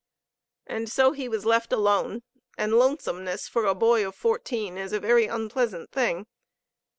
And so he was left alone; and lonesomeness for a boy of fourteen is a very unpleasant thing.